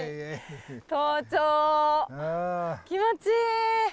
気持ちいい！